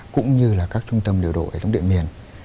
cũng như là các trung tâm điều đội tổng địa miền